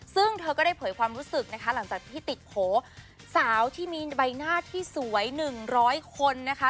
ซึ่งเธอก็ได้เผยความรู้สึกนะคะหลังจากที่ติดโผล่สาวที่มีใบหน้าที่สวย๑๐๐คนนะคะ